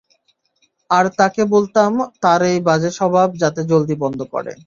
আর তাকে বলতাম তার এই বাজে সবাব যাতে জলদি বন্ধ করে।